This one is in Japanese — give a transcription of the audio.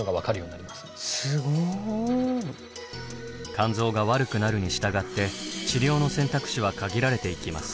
肝臓が悪くなるに従って治療の選択肢は限られていきます。